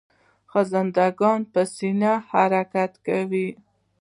خزنده ګان په سینه حرکت کوي